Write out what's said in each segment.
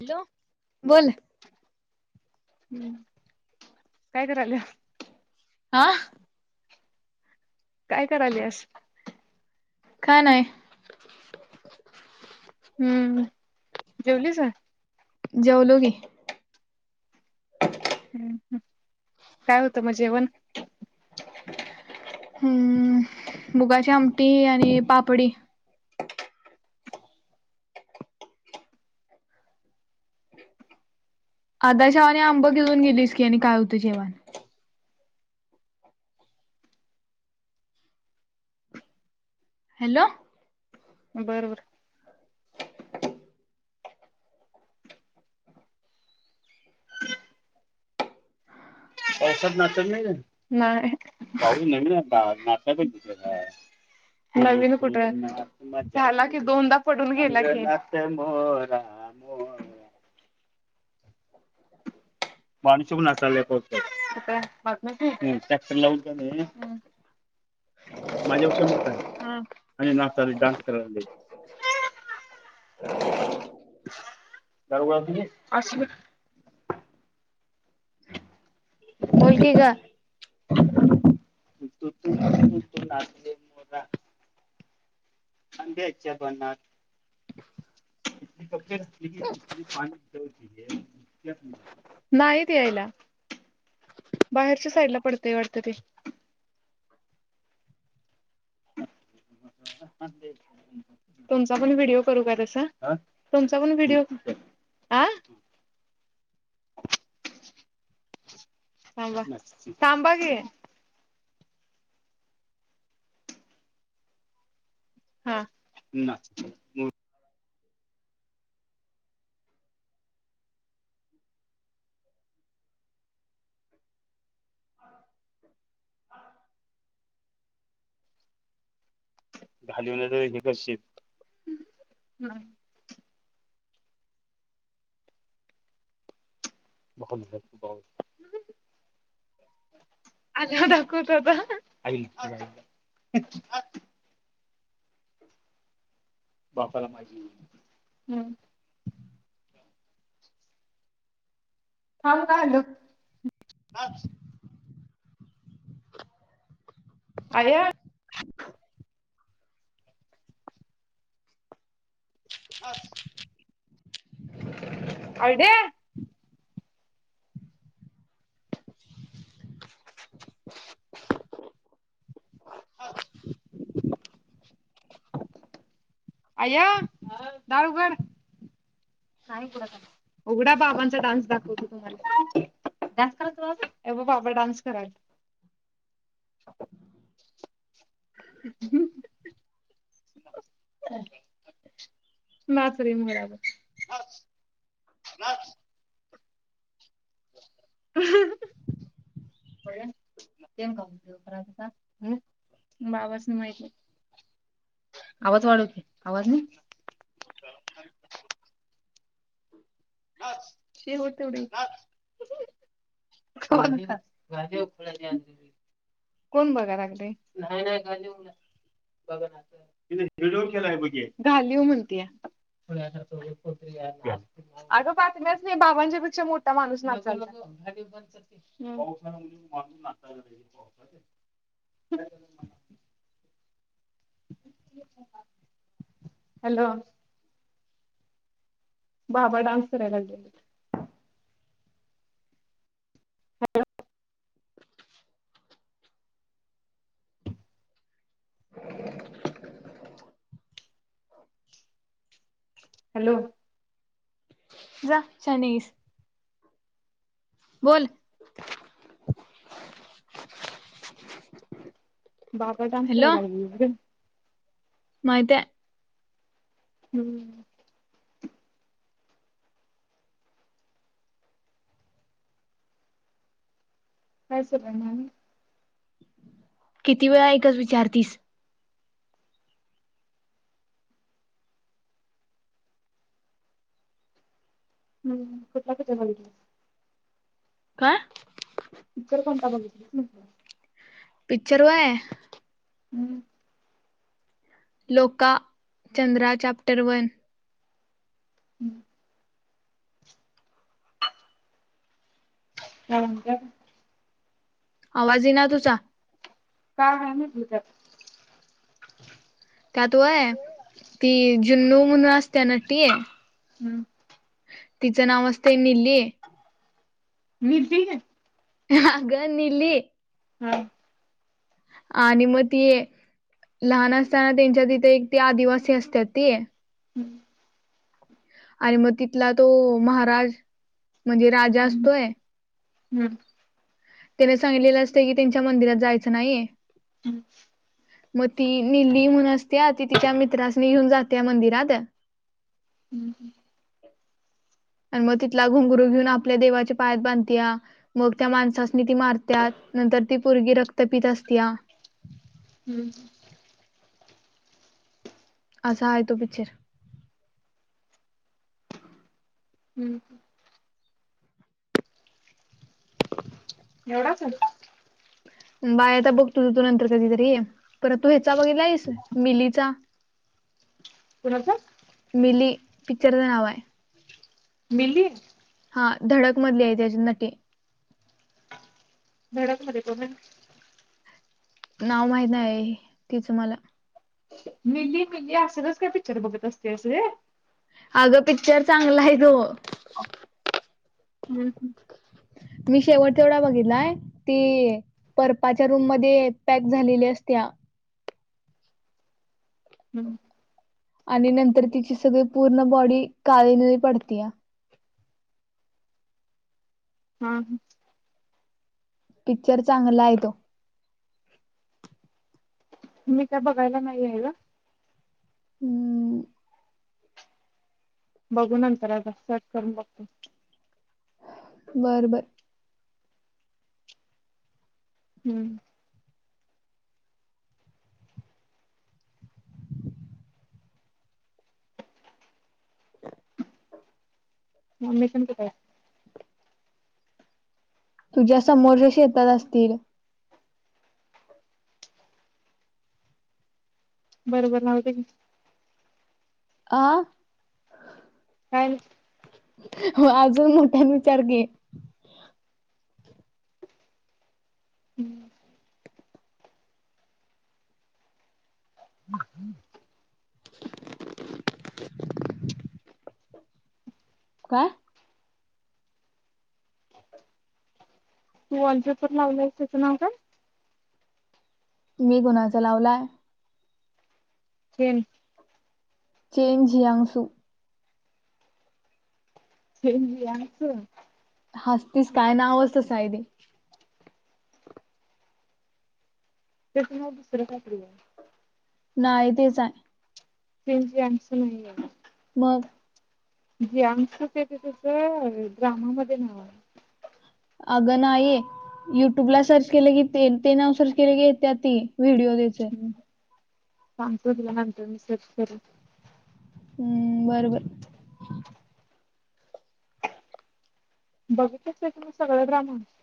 Hello, बोल. हम्, काय कराल्या? हा? काय कराल्यास? काय नाही. हम्म जेवलीस काय? जेवलो की. हम ह काय होतं मग जेवण? हम्म मुगाची आमटी आणि पापडी. आध शेवाने आंब घेऊन गेलीस की आणि काय होत जेवाण. हॅलो. बर बर. [inaudible] पावसात नाचत नाही काय नाही पाऊस नवीन हाय आता नाचायला पाहिजे की आता. नवीन कुठं? म झाला की दोनदा पडून गेला की नाच नाच मोरा. [unintelligible] माझ्या पेक्षा मोठा हाय आणि नाचालाय डान्स करालाय. गारा गोळा केली असं हो बोल की गं. [inaudible] आंब्याच्या बनात पाणी [unintelligible] नाही त यायला बाहेरच्या साईडला पडतय वाटत ते. [inaudible] तुमचा पण व्हिडिओ करू का तसा आ तुमचा पण व्हिडिओ आं. थांबा थांबा कि. हा नाच [inaudible] घालीव नाही तर हे करशील. बान. ब- [unintelligible] आल्यावर दाखवतो आत आईच्या आई. बापाला माझी ह‌म. थांब ग आलू. आऐ. आच. आयडे. आच. आय्य दार उघड नाही उघडणार. उघडा बाबांचा डान्स दाखवतो तुम्हाला. डान्स कोन करालतीत एव बाबा डान्स कराल्यात. ह्ममम. [unintelligible] नाच रे मोरा वर नाच नाच. बघु ते कवा उद्योग करालतासा होय बाबाचसनी माहित आवाज वाढव की आवाज नाही. [inaudible] ह. [inaudible] शेवट ची उडी नाच. गज ख [inaudible] कोण बघाय लागले, नाही-नाही बघायला ला तीन एक व्हिडीओ केलाय बग हे, घालिव म्हणत्या खुळया सारख कोण तरी याय अगं बातम्यासी बाबां च्या पेक्षा मोठा माणूस नाचायलागलानय नको घालीव बंद कर चल ह पाउस आल म्हण माणून नाचायलय पावसाचे ह हॅलो बाबा डांन्स कराय लागेलीत [inaudible] हॅलो. जा शहाणी हाईस. बोल. बाबा डान्स हॅलो करालायला लागलेलीत गं माहिती हाय हम्म. काय सुरु हाय मग आणि किती वेळा एकच विचारतीस हम्म, कुठला पिक्चर बघीतलास का. पिक्चर कोणता बघितलीस म्हटल. पिक्चर होय हुम्म. लोका चंद्रा चॅप्टर वन हुम्म. आवडला. आवाज ऐयीना तुझा? काय आहे म्हटलं त्यात त्यात होय ती जुन्नु म्हणून असते त्या ना नटी हम्म तिचं नाव असते निली नीती [inaudible] ह अगं निली हा. आणि मग ती, लहान असताना त्यांच्या तिथे, एक ते आदिवासी असतात ती हुमं. आणि मग तिथला तो महाराज म्हणजे राजा हम्म असतोय हम्म. त्याने सांगितलेलं असते की त्यांच्या मंदिरात जायचं नाहीय हम्म. मग ती निल्ली म्हणून असत्या, ती तिच्या मित्रास नि घेऊन जात्या मंदिरात हम्म. आणि मग तिथला घुघरू घेऊन आपल्या देवाचे पायात बांधत्या मग त्या माणसासनी ती मारतात, आणि नंतर ती परगी रक्त पीत असत्या हुम्म. असा आहे तो पिक्चर हम्म. एवढा फरक. बाहे आता बघतो तुझं तू नंतर कधीतरी परत तू ह्याचा बघितला आहेस मिलीचा कोणाचा मिली पिक्चर च नाव आहे मिली हा धडक मधली आहे त्यात नटी धडक मध्ये कोण आहे? नाव माहित आहे तिचं मला मिली मिली असंच काय पिक्चर बघत असत्यास ग अगं पिक्चर चांगलं आहे तो. हम मी शेवट तेवढा बघितलाय ती बर्फाच्या रूम मध्ये पॅक झालेली असत्या हं आणि नंतर तिची सगळी पूर्ण बॉडी काळी निळी पडत्या हम् पिक्चर चांगला आहे तो मी काय बघायला नाही आहे ग. हम बघू नंतर आता सर्च करून बघतो. बर बर. हम् म मिशनच काय? तुझ्या समोरच्या शेतात असतील बर बर राहुदे आं काय नाही हो अजून मोठ्यान विचार की हम्म [unintelligible] [unintelligible] काय तू वॉलपेपर लावला आहेस त्याचं नाव काय? मी कुणाचा लावलाय? तेन चेंज जियांग सु चेजजियांग सु हस्तीस काय नावच तसं आहे ते त्याच नाव दुसर काही तरी आहे. नाही तेच आहे. चेज जियांग सु नाही आहे मग जियांग सु त्याचं ड्रामामध्ये नाव आहे. अग नाही. युट्यूब ला सर्च केलं की ते नाव सर्च केले की येत्यात व्हिडिओ त्याचे हूं सांगतो तुला नंतर मी सर्च करून. हूं बरोबर! [unintelligible]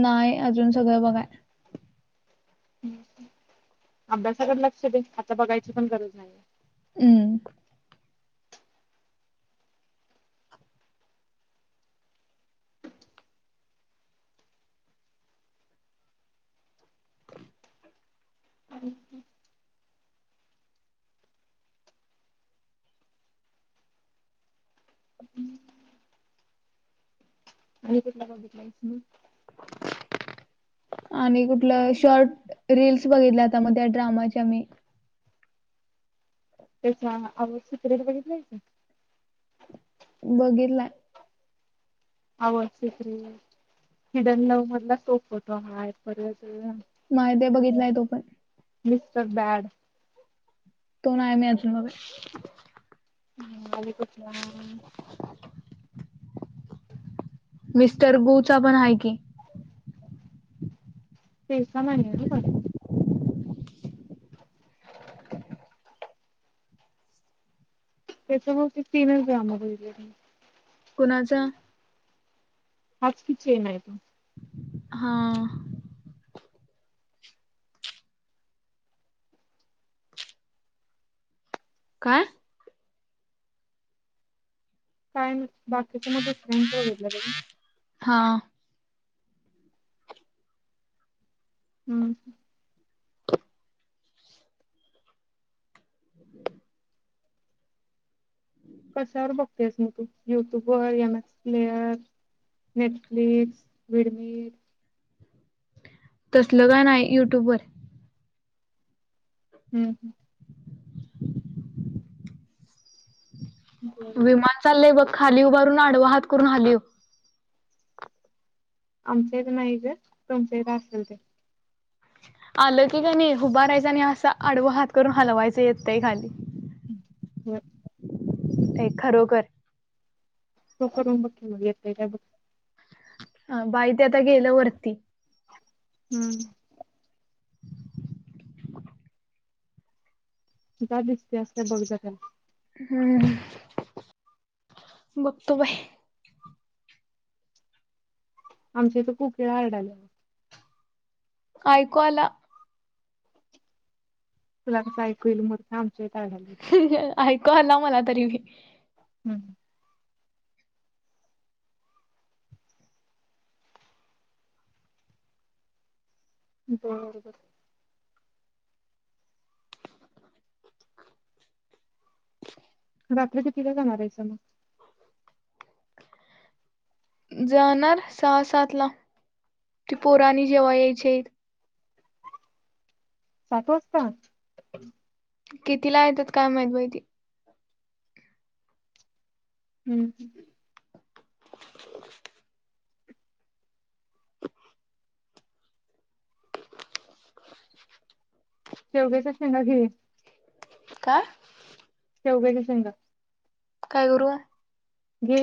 नाही अजून सगळं बघाय. अभ्यासाकडे लक्ष दे, आता बघायची पण गरज नाहीये. ऊं! [inaudible] [inaudible] आणि कुठंला बघितलायस म! आणि कुठलं शॉर्ट रील्स बघितल्या, आता म त्या ड्रामाच्या मी. तेच ना आव सिक्रेट बघितलय का? बघितलाय. आवनं सिक्रेट, हिडन लव्ह मधला च तो फोटो हा आहे परत. न्हाय बे बघितलाय तो पण. Mister bad? तो नाय मी अजूनबघेल. हा वालेकुम सलाम. मिस्टर गुचा पण आहे की. तेस सामान नेलं कोणी. त्याच्या मूळ ते तीनच ड्रामा बघीतले मी. कुणाच्यां? हाच किचेन आहे तो. हा! का! काय मं बाकीचं मग दुसऱ्यांचं बघितल कां तुम्ही. हा! हूं! कश्यावर बघतेयस म तू युट्यूब वर M S player. Netflix, VidMate. कंसलं गाणं आहे युट्यूबवर? हूं हूं! बर विमान चालयय बघ, खाली उभारून आडवा हात करून हालीव. आमच्या इथं नाहीच ये तुमच्या ईथ असेल ते. आलं की कनी उभारायचं, आणि असा आडव हात करून हलवायचं येतय खाली. हूं होय! काही खरोखर. तू करुन बघकी म येतय कां बघ. हा बाई ते आता गेलं वरती. हूं! जा दिसते असल्या बघ जा खाली. हूं बघतो बाय आमच्या इथं कुकीळ्या आरंडाल्या. काय कू आला? तुला असं ऐकू येईल म्हणून आमच्या इथं आरडाईला होती. ऐकु आला माला तरी बी. हम्. बर बर रात्री क तिला जाणार आहे स मग. जाणार सहा सात ला त पुोराणी जेव यायच्या. सात वाजता. कितीला येतात काय माहित बाहिती. हम्म. हो. तेेवगेच ना घिर. का? तेव काय का सांगा. काय करू. घे.